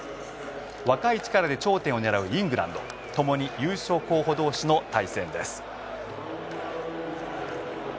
若い力で頂点を狙うイングランド共に優勝候補同士の対戦です。